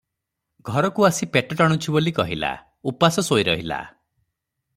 ଘରକୁ ଆସି ପେଟ ଟାଣୁଛିବୋଲି କହିଲା, ଉପାସ ଶୋଇରହିଲା ।